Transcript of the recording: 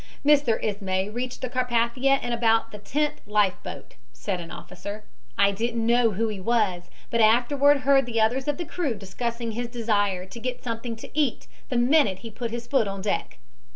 "Mr. Ismay reached the Carpathia in about the tenth life boat," said an officer. "I didn't know who he was, but afterward heard the others of the crew discussing his desire to get something to eat the minute he put his foot on deck.